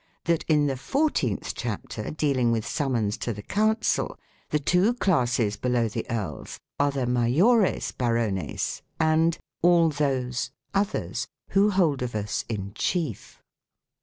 48 " BARONS" AND "KNIGHTS" in the fourteenth chapter dealing with summons to the Council the two classes below the earls are the "majores barones" and " all those (others) who hold of us in chief".